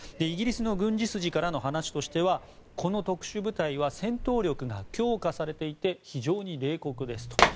イギリスの軍事筋からの話としてはこの特殊部隊は戦闘力が強化されていて非常に冷酷ですと。